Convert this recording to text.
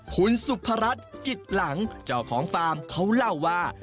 คุณสุภรัชกิจหลังเจ้าของฟาร์มเขาเล่าว่า